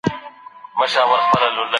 ښوونه او روزنه د ټولنې د بقا راز دی.